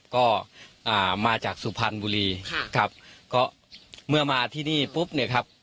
ก็อ่ามาจากสุพรรณบุรีค่ะครับก็เมื่อมาที่นี่ปุ๊บเนี่ยครับ